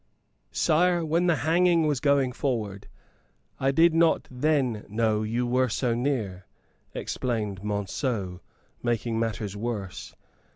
"Sire, when the hanging was going forward I did not then know you were so near," explained Monceux, making matters worse.